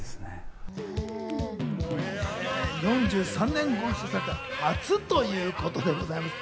４３年ご一緒されて初ということでございます。